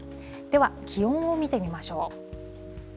では、気温を見てみましょう。